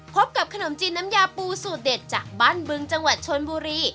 พบกับขนมจีนน้ำยาปูสูตรเด็ดจากบ้านบึงจังหวัดชนบุรี